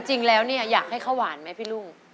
จริงแล้วเนี่ยอยากให้ข้าวหวานไหมพี่ลุง